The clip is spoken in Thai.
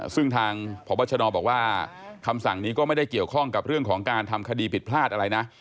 ซึ่งทางพบชนบอกว่าคำสั่งนี้ก็ไม่ได้เกี่ยวข้องกับเรื่องของการทำคดีผิดพลาดอะไรนะ